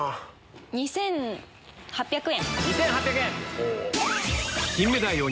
２８００円。